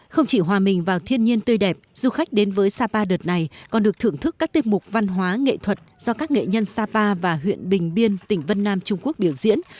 không chỉ hòa mình vào thiên nhiên tươi đẹp du khách đến với sapa đợt này còn được thưởng thức các tiết mục văn hóa nghệ thuật do các nghệ nhân sapa và huyện bình biên tỉnh vân nam trung quốc biểu diễn